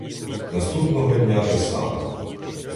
Наступного дня те саме.